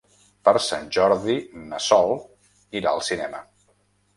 Per Sant Jordi na Sol irà al cinema.